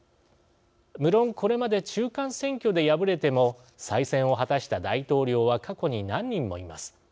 無論これまで中間選挙で敗れても再選を果たした大統領は過去に何人もいます。